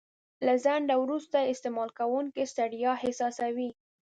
له ځنډه وروسته استعمالوونکی ستړیا احساسوي.